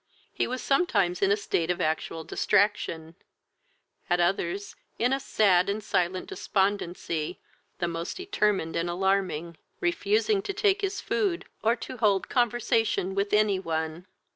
He was sometimes in a state of actual distraction, at others in a sad and silent despondency the most determined and alarming, refusing to take his food, or to hold conversation with any one.